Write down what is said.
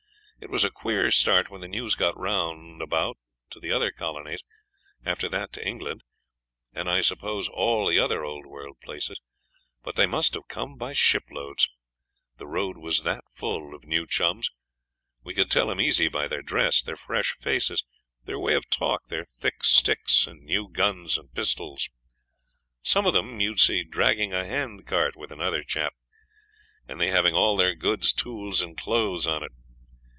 It was a queer start when the news got round about to the other colonies, after that to England, and I suppose all the other old world places, but they must have come by ship loads, the road was that full of new chums we could tell 'em easy by their dress, their fresh faces, their way of talk, their thick sticks, and new guns and pistols. Some of them you'd see dragging a hand cart with another chap, and they having all their goods, tools, and clothes on it.